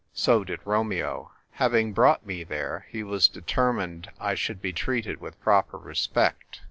So did Romeo. Having brought me there, he was determined I should be treated with proper respect.